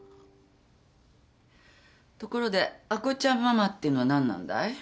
ところで「亜子ちゃんママ」っていうのは何なんだい？